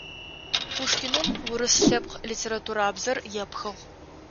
А. Пушкиным урыс лъэпкъ литературабзэр епхыгъ.